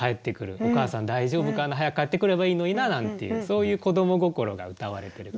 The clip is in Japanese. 「お母さん大丈夫かな？早く帰ってくればいいのにな」なんていうそういう子ども心がうたわれてると。